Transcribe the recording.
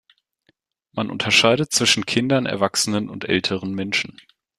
Man unterscheidet zwischen Kindern, Erwachsenen und älteren Menschen.